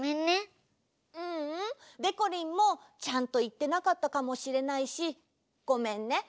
ううん。でこりんもちゃんといってなかったかもしれないしごめんね。